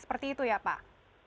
seperti itu ya pak